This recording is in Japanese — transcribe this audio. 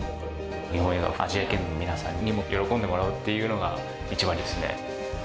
日本映画をアジア圏の皆さんにも喜んでもらうっていうのが一番ですね。